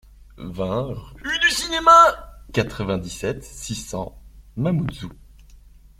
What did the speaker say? vingt rUE DU CINEMA, quatre-vingt-dix-sept, six cents, Mamoudzou